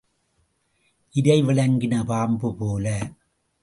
இரை விழுங்கின பாம்பு போல.